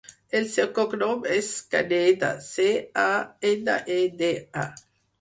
El seu cognom és Caneda: ce, a, ena, e, de, a.